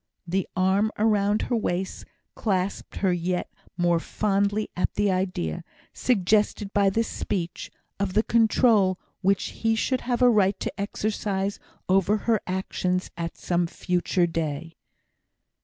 The arm around her waist clasped her yet more fondly at the idea, suggested by this speech, of the control which he should have a right to exercise over her actions at some future day.